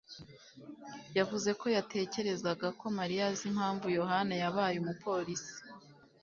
yavuze ko yatekerezaga ko Mariya azi impamvu Yohana yabaye umupolisi.